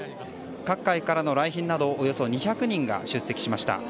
各界からの来賓などおよそ２００人が出席しました。